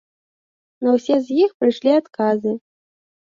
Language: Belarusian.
На ўсе з іх прыйшлі адказы.